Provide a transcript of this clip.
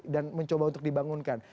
dan mencoba untuk dibangunkan